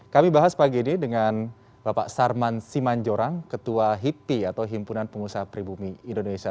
kami bahas pagi ini dengan bapak sarman simanjorang ketua hippi atau himpunan pengusaha pribumi indonesia